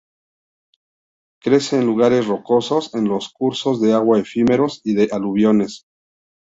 Crece en lugares rocosos, en los cursos de agua efímeros y de aluviones.